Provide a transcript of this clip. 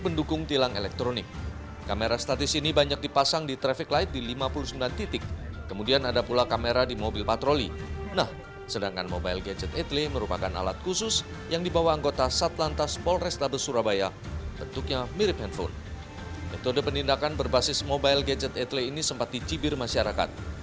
metode penindakan berbasis mobile gadget elektronik ini sempat dicibir masyarakat